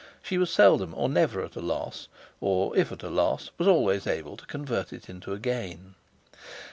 She was seldom or never at a loss; or if at a loss, was always able to convert it into a gain.